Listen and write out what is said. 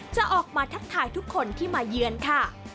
จะออกมาทักทายทุกคนที่มาเยือนค่ะ